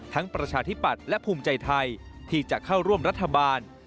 ทั้งประชาธิบัตรและพุมใจไทยที่จะเข้าร่วมรัฐบาล